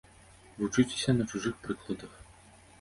Вучыцеся на чужых прыкладах.